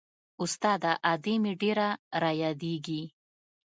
استاده ادې مې ډېره رايادېږي.